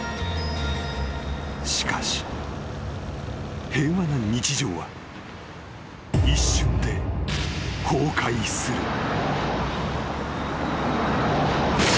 ［しかし］［平和な日常は一瞬で崩壊する］